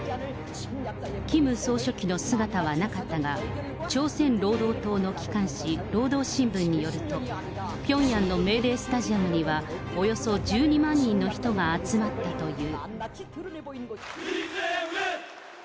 キム総書記の姿はなかったが、朝鮮労働党の機関紙、労働新聞によると、ピョンヤンのメーデースタジアムにはおよそ１２万人の人が集まったという。